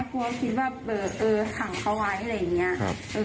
กลัวคิดว่าเออขังเขาไว้อะไรอย่างนี้